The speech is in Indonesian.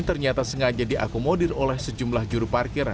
ternyata sengaja diakomodir oleh sejumlah juru parkir